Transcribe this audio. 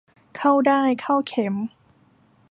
เข้าด้ายเข้าเข็ม